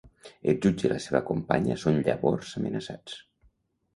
El jutge i la seva companya són llavors amenaçats.